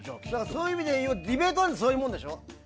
そういう意味でいうとディベートってそういうものでしょ？